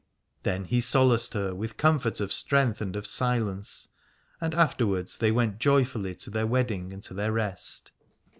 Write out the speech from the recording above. Then he solaced her with comfort of strength and of silence : and afterwards they went joyfully to their wedding and to their rest.